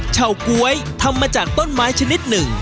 เฉาก๊วยทำมาจากต้นไม้ชนิดหนึ่ง